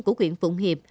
của quyện phụng hiệp